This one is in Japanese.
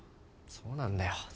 そうなんだよ。